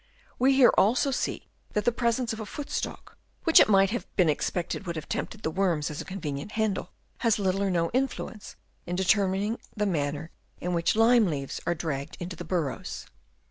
We here, also, see that the presence of a foot stalk, which it might have been expected would have tempted the worms as a convenient handle, has little or no in fluence in determining the manner in which lime leaves are dragged into the burrows.